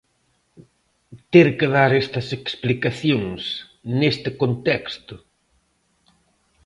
Ter que dar estas explicacións neste contexto...